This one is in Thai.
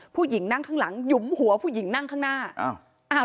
ผู้หญิงนั่งข้างหลังหยุมหัวผู้หญิงนั่งข้างหน้าอ้าว